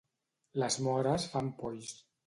Les mores fan polls.